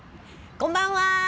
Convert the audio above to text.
こんばんは。